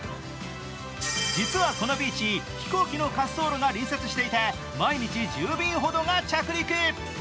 実はこのビーチ、飛行機の滑走路が隣接していて毎日１０便ほどが着陸。